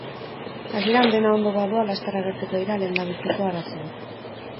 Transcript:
Hasieran dena ondo badoa laster agertuko dira lehendabiziko arazoak...